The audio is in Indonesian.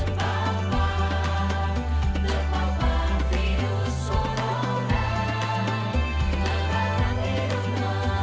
jangan lupa bahwa virus jatuhkan kehalalan kita semua